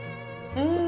うん。